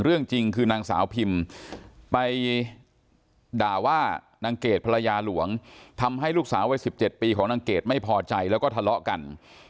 เรื่องจริงคือนางสาวพิมไปด่าว่านางเกดภรรยาหลวงทำให้ลูกสาววัย๑๗ปีของนางเกดไม่พอใจแล้วก็ทะเลาะกัน